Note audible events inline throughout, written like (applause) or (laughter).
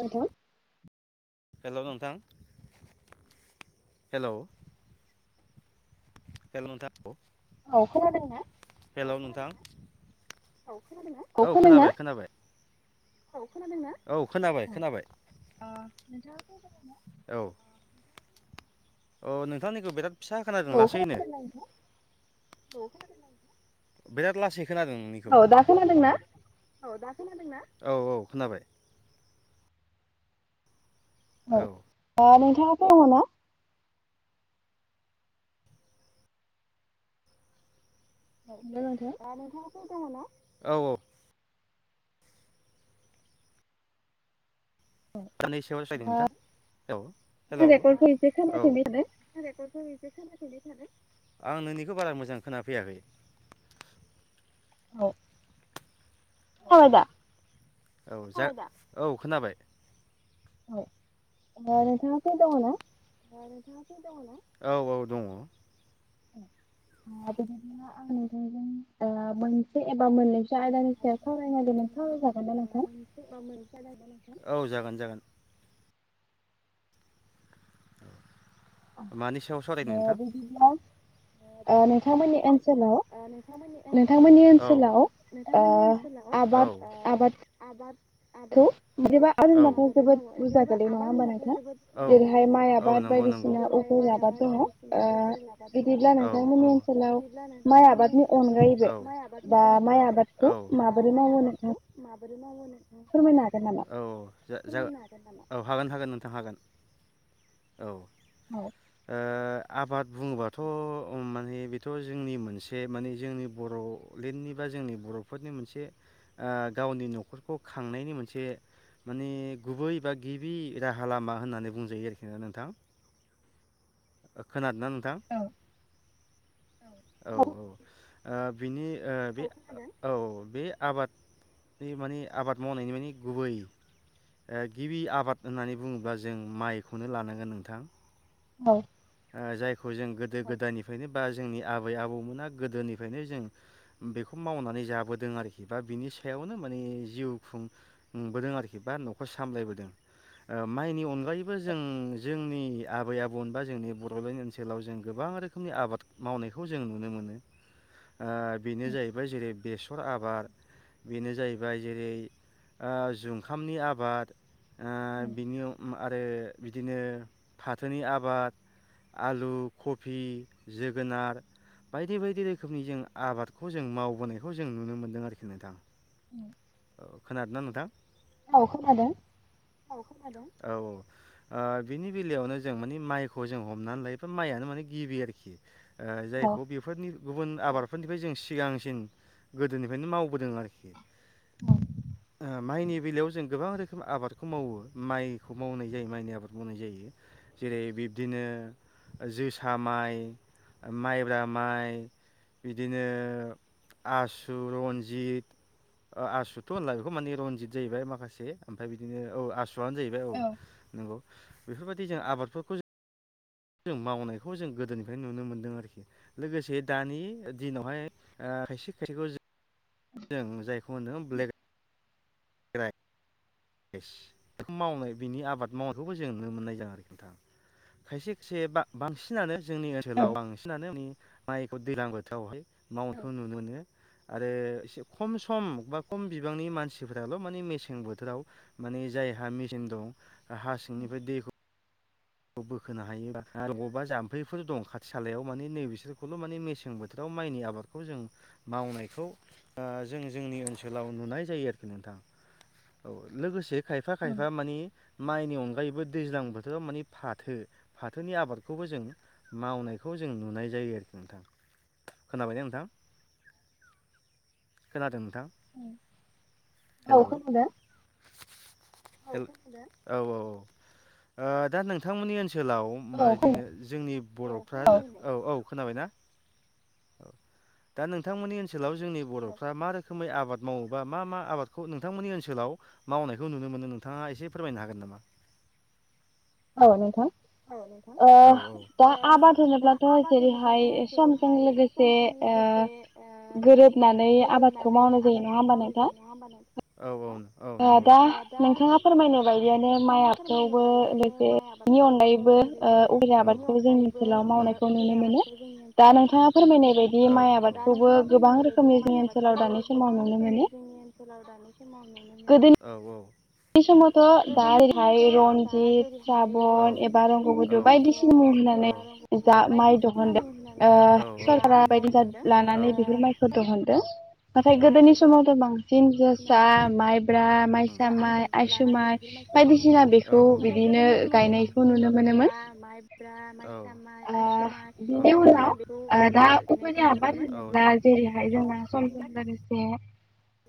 हथ (inaudible) हेल' नोंथां हेल' हेलौ नोंथां औ खोनादोंना खोनादों औ खोनाबाय खोनाबाय औ खोनादोंना औ खोनाबाय खोनाबाय बे (inaudible) औ औ नोंथांनिखौ बेराद फिसा खोनादों लासैनो बिराद लासै औ दा खोनादोंना औ दा खोनादोंना औ औ खोनाबाय औ दा नोंथाङा खोनादों ना औ औ साननैसोआवासायदों नोंथां हेल' औ (inaudible) आं नोंनिखौ बारा मोजां खोनाफैयाखै औ औ दा औ जा औ खोनाबाय ओ- ओ नोंथाङा फ्रि दङ ना औ औ दङ बिदिब्ला आं नोंथांजों मोनसे एबा मोननै जा आयदानि सायाव सावरायनो नारिदों नोंथां (inaudible) साव जागोन ना नोंथां औ जागोन जागोन औ (inaudible) ओ बिदिब्ला ओ नोंथांमोननि ओसोलाव नोंथांमोननि ओनसोलाव नोंथांमोननि ओनसोलाव औ ओ (unintelligible) औ औ नंगौ औ नंगौ औ नोंथांमोननि‌ ओनसोलाव नोंथां मोनि ओनसोलाव औ माय आबादनि अनगायैबो औ बा माय आबादखौ माबोरै मावो नोंथां औ जा-जा फोरमायनो हागोन नामा औ हागोन हागोन नोंथां हागोन औ ओ आबाद बुङोबाथ' माने बेथ' जोंनि मोनसे माने जोंनि बर'लेण्डनि बा जोंनि बर'फोरनि मोनसे ओ गावनि न'खरखौ खांनायनि मोनसे माने गुबै बा गिबि राहा लामा होननानै बुंजायो आरोखि ना नोंथां खोनादोंना नोंथां औ औ ओ बिनि ओ बे औ बे आबाद बे माने आबाद मावनायनि माने गुबै ओ गिबि आबाद होननानै बुङोब्ला जों माइखौनो लानांगोन नोंथां औ जायखौ जों गोदो गोदायनिफ्रायनो बा जोंनि आबै आबौमोना गोदोनिफ्रायनो जों बेखौ मावनानै जाबोदों आरोखि बा बिनि सायावनो माने जिउ खुंबोदों आरोखि बा न'खर सामलायबोदों माइनि अनगायैबो जों जोंनि आबै आबौमोनबा जोंनि बड'लेण्ड ओनसोलाव जों गोबां रोखोमनि आबाद मावनायखौ जों नुनो मोनो ओ बेनो जाहैबाय जेरै बेसर आबाद बेनो जाहैबाय जेरै ओ जुखामनि आबाद ओ बिनि आरो बिदिनो फाथोनि आबाद आलु कफि जोगोनार बायदि बायदि रोखोमनि जों आबादखौ जों मावबोनायखौ जों नुनो मोन्दों आरोखि नोंथां ओ खोनादों ना नोंथां औ खोनादों औ औ बिनि बेलायावनो जों माने माइखौ जों हमनानै लायो माइआानो माने गिबि गिबि आरोखि जायखौ बेफोरनि गुबुन आबादफोरनिफ्राय जों सिगांसिन गोदोनिफ्रायनो मावबोदों आरोखि औ ओ माइनि बेलायाव जों गोबां रोखोम आबादखौ मावो माइखौ मावनाय जायो माइनि आबाद मावनाय जायो। जेरै बिब्दिनो जोसा माइ माइब्रा माइ बिदिनो आसु रनजित आसुथ' होनला बेखौ माने रनजित जाहैबाय माखासे ओमफ्राय बिदिनो औ आसु आनो जाहैबाय औ नंगौ बेफोरबायदि जों आबादफोरखौ जों जों मावनायखौ जों गोदोनिफ्राय नुनो मोन्दों आरोखि लोगोसे दानि दिनावहाय ओ खायसे खायसेखौ जों जायखौ होनो ब्लेक राइस ए थ' मावनाय बिनि आबाद मावनायखौबो जों नुनो मोन्नाय जादों आरोखि नोंथां। खायसे खायसे बा बांसिनानो जोंनि ओनसोलाव बांसिनानोनि माइखौ दैज्लां बोथोरावहाय मावनायखौ नुनो मोनो। आरो एसे खम सम बा खम बिबांनि मानसि खुथिफोराल' माने मेसें बोथोराव माने जायहा मेसें दं हा सिंनिफ्राय दैखौ बोखोनो हायोबा आरो अबावबा जाम्फैफोर दं खाथि खालायाव माने नैबेसोरखौल' माने मेसें बोथोराव माइनि आबादखौ जों मावनायखौ ओ जों जोंनि ओनसोलाव नुनाय जायो आरोखि नोंथां। औ लोगोसे खायफा खायफा मानि माइनि अनगायैबो दैज्लां बोथोर मानि फाथो फाथोनि आबादखौबो जों मावनायखौ जों नुनाय जायो आरोखि नोंथां। खोनाबाय ना नोंथां खोनादों ओम (unintelligible) हेल' हेल औ औ ओ दा नोंथांमोननि ओनसो सोलाव माबदिनो जोंनि बर'फ्रा औ औ खोनाबायना औ दा नोंथांमोननि ओनसोलाव जोंनि बर'फ्रा मा रोखोमै आबाद मावोबा मा मा आबादखौ नोंथांमोननि ओनसोलाव मावनायखौ नुनो मोनो नोंथा़ङा एसे फोरमायनो हागोन नामा? औ नोंथां ओ दा आबाद होनोब्लाथ' जेरैहाय समजों लोगो से ओ गोरोबनानै आबादखौ मावनाय जायो नंङा होमबा नोंथां? ओ दा नोंथांङा फोरमायनाय बायदियानो माइ आबादखौबो लोगोसेनो बेनि अनगायैबो लोगोसे बेनि अनगायैबो ओ उफेरा आबादखौ जोंनि ओनसोलाव मावनाय खौ नुनो मोनो दा नोंथांङा फोरमायनाय बायदि माइ आबादखौबो गोबां रोखोमनि जोंनि ओनसोलाव दा नि समाव नुनो मोनो। बे समावथ' दाय हाय रनजित स्राबन एबा रंग'गुदु बायदिसिनानि होननानै जा माइ दहनदों सरकारा बायदिना लानानै बेफोर माइखौ दहनदों। नाथाय गोदोनि समावथ' बांसिन जोसा माइब्रा माइसा माइ लानानै बेफोर माइफोर दहनदों नाथाय गोदोनि समावथ' बांसिन जोसा माइब्रा माइसा माइ आइसु माइ बायदिसिना बेखौ बिदिनो गायनायखौ नुनो मोनोमोन। जोंना समजों लोगोसे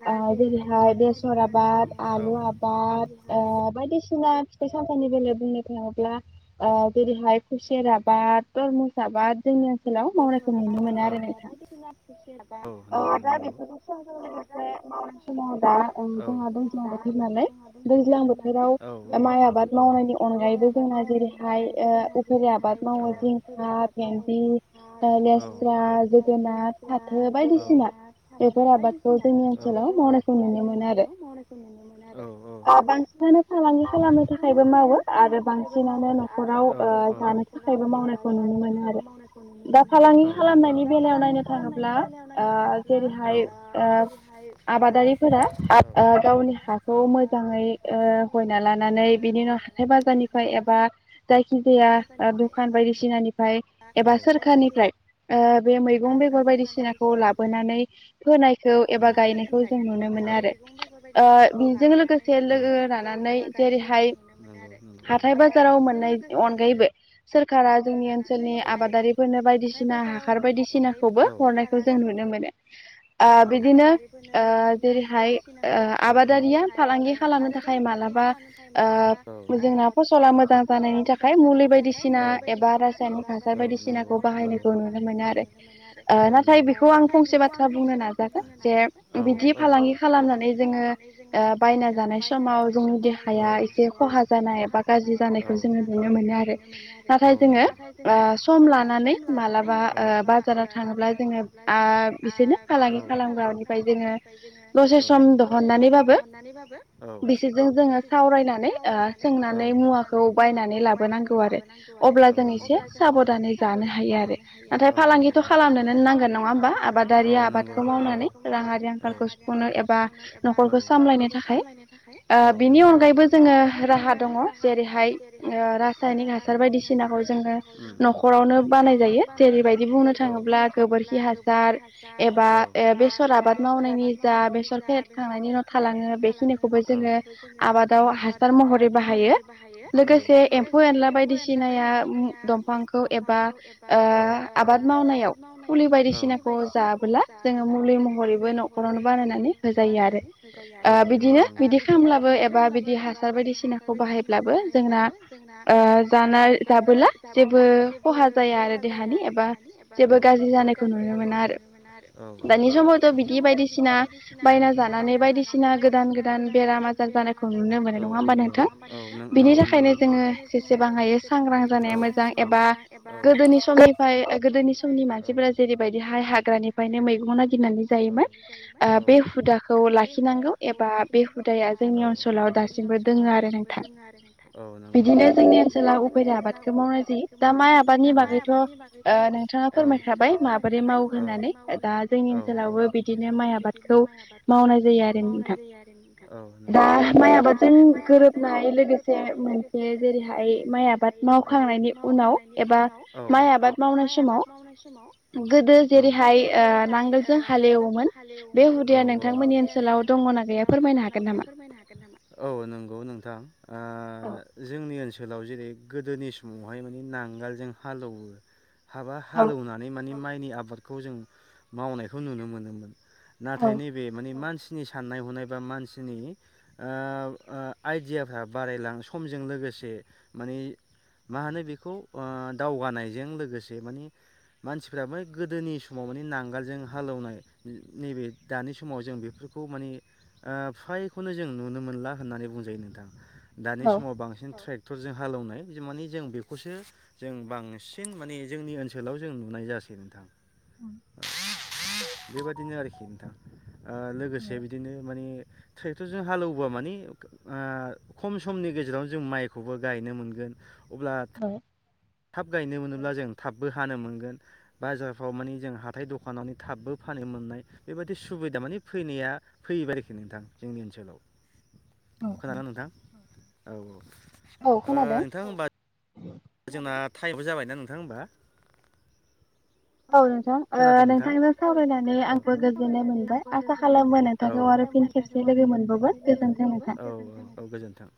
दा जेरैहाय जोङो समजों लोगोसे औ बा ओ बायदिसिना फिथाइ सामथाइनि बेलायाव बुंनो थाङोब्ला ओ जेरैहाय खुसेर आबाद धर्मस आबाद जोंनि बेसर आबाद औ बायदिसिना खुसेर आबाद औ नंगौ नंगौ (unintelligible) समाव दा ओ जोंहा दं समाव बोथोर नालाय दैज्लां बोथोराव माइ आबाद मावनायनि अनगायैबो जोंना जेरैहाय ओ उफेरा आबाद मावो जिंखा भेनदि ओ लेस्रा जोगोनार फाथो बायदिसिना बेफोर आबादखौ जोङो औ बेफोर आबादखौ जोंनि ओनसोलाव मावनायखौ नुनो मोनो आरो औ ओ बांसिनानो फालांगि खालामनो थाखायबो मावो आरो बांसिनानो न'खराव ओ जानो थाखायबो मावनायखौ नुनो मोनो आरो दा फालांगि खालामनायनि बेलायाव नायनो थाङोब्ला आ जेरैहाय ओ आबादारिफोरा ओ गावनि हाखौ मो जाङै ओ हयना लानानै बिनि उनाव हाथाय बाजारनिफ्राय एबा जायखि जाया ओ दखान बायदिसिनानिफाय एबा सोरखारनिफ्राय ओ बे मैगं बेगर बायदिसिनाखौ लाबोनानै फोनायखौ एबा गायनायखौ जों नुनो मोनो आरो गं बेगर बायदिसिनाखौ लाबोनानै लोगो लानानै जेरैहाय हाथाय बाजाराव मोननाय अनगायैबो सोरखारा जोंनि ओनसोलनि आबादारिफोरनो बायदिसिना हाखार बायदि खौबो हरनायखौ जों नुनो मोनो। आ बिदिनो ओ जेरैहाय ओ आबादारिया फालांगि खालामनो थाखाय मालाबा ओ जोंना फसला मोजां जानायनि थाखाय मुलै बायदिसिना हा एबा रासायनिक हासार बायदिसिनाखौ बाहायनायखौ नुनो मोनो आरो आ नाथाय बेखौ आं फ' फंसे बाथ्रा फंसे बाथ्रा बुंनो नाजागोन औ औ बिदि फालांगि खालामनानै जोङो ओ समाव जोंनि देहाया एसे खहा जानाय बा गाज्रि जानायखौ जोङो नुनो मोनो आरो ना थाय जोङो ओ सम लानानै मालाबा ओ बाजाराव थाङोब्ला जोङो आ इसेनो औ फालांगि खालामग्रानिफ्राय जोङो औ दसे सम दहननानै बाबो बिसोरजों जोङो सावरायनानै ओ सोंनानै मुवाखौ बायनानै लाबोनांगौ आरो अब्ला जों एसे साब'दानै जानो हायो आरो नाथाय फालांगिथ' खालामनोनो नांगोन नङा होमबा आबादा खौ मावनानै रांआरि आंखालखौ सुफुंनो एबा न'खरखौ सामलायनो थाखाय थाखाय औ नंगौ ओ बेनि अनगायैबो जोङो राहा दङ' जेरैहाय रासायनिक हा हासार बायदिसिनाखौ उम उम जोङो न'खरावनो बानाय जायो औ जेरैबायदि बुंनो थाङोब्ला गोबोरखि हास एबा ए बेसर आबाद मावनायनि जा बेसर फेरेदखांनायनि उनाव थालाङो बेखिनि ओ बे औ खिनिखौबो जोङो आबादाव हासार महरै बाहायो औ लोगोसे एम्फौ एनला बायदिसिनाया उम दंफांखौ एबा औ ओ आबाद मावनायाव औ (unintelligible) बायदिसिना अबोला जोङो मुलि महरैबो न'खरावनो बानायनानै होजायो आरो आ बिदिनो बिदि खामब्लाबो एबा बिदि हासार बायदिसिनाखौ बाहायब्लाबो जोंना ओ जानाय जानाय जाबोला जेबो नुनो मोना आरो औ औ दानि समावथ' बिदि बायदिसिना बायना जानानै बायदिसिना गो बेराम आजार जानायखौ नुनो मोनो नङा होमबा नोंथां बिनि थाखायनो जोङो जेसेबां हायो सां ग्रां जानाया मोजां एबा गोदोनि समनिफाय ओ गोदोनि समनि मानसिफोरा जेरैबायदि हाय ग्रानिफ्रायनो मैगं नागिरनानै जायोमोन ओ बे हुदाखौ लाखिनांगौ एबा नांगौ एबा औ बे हुदाया जोंनि‌ अनसलाव दासिमबो दोङो आरो नोंथां औ नंगौ नंगौ बिदिनो जों फोर आबादखौ मावनाय जायो दा माइ आबादनि बागैथ' ओ नोंथाङा फोरमायखाबाय माबोरै मावहोनानै दा जोंनि ओनसोलावबो बिदिनो माइ आबादखौ मावनाय जायो आरो नोंथां दा माइ आबादजों गोरोबनाय लोगोसे मोनसे जेरैहाय माइ आबाद मावखांनायनि उनाव एबा माइ आबाद मावनाय समाव गोदो जेरैहाय ओ नांगोलजों हालेवोमोन बे हुदाया नोंथांमोननि ओनसोलाव दङ'ना गैया फोर दंङ' ना गैया फोरमायनो हागोन नामा? औ नंगौ नोंथां आ आ जोंनि ओनसोलाव जेरै गोदोनि समावहाय माने नांगालजों हालोवो हाबा हालौनानै माने माइनि आबादखौ जों मावनायखौ नुनो मोनोमोन नाथाय नैबे माने मानसि नि साननाय हनाय बा मानसिनि ओ ओ आइडियाफ्रा बारायलां समजों लोगो से माने मा होनो बेखौ ओ दावगानायजों लोगोसे माने मानसिफ्रा बै गोदोनि समाव माने नांगालजों हालौनाय नैबे दानि समाव जों बेफोरखौ माने ओ फ्रायखौनो जों नुनो मोनला होननानै बुंजायो नोंथां दानि समाव बांसिन ट्रेक क्टरजों हालेवनाय जों माने जों बेखौसो जों बांसिन माने जोंनि ओनसोलाव जों नुनाय जासै नोंथां बेबादिनो आरोखि नोंथां! ओ लोगोसे बिदिनो माने ट्रेक्टरजों हालेवबा माने ओ खम समनि गेजेरावनो जों माइखौबो गायनो मोनगोन अब्ला- थाब गायनो मोनोब्ला जों थाबबो हानो मोनगोन बाजारफ्राव माने जों हाथाय दखानाव थाबबो फाननो मोननाय बेबायदि सुबिदा माने फैनाया फैबाय आरोखि नोंथां जोंनि ओनसोलाव! खोनादोंना नोंथां औ-औ ओ नोंथां होनबा जोंना टाइमबो जाबायना नोंथां होमबा औ नोंथां ओ नोंथांजों सावरायनानै आंबो गोजोननाय मोनबाय आसा खालामो नोंथांखौ आरो फिन नोंथांखौ आरो फिन खेबसे लोगो मोनबावगोन औ-औ गोजोनथों!